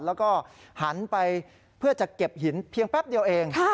แล้วก็หันไปเพื่อจะเก็บหินเพียงแป๊บเดียวเอง